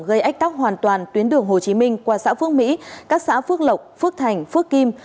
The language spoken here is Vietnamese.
gây ách tắc hoàn toàn tuyến đường hồ chí minh qua xã phước mỹ các xã phước lộc phước thành phước kim